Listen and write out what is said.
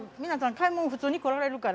買い物普通に来られるから。